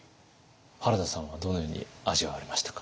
原田さんはどのように味わわれましたか？